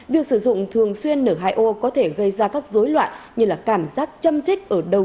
việc sử dụng thường xuyên n hai o có thể gây ra các dối loạn như là cảm giác châm trích ở đầu